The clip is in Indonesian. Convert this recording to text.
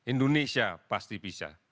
indonesia pasti bisa